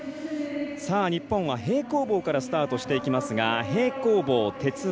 日本は平行棒からスタートしていきますが平行棒、